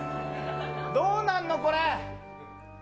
どうなんの、これ。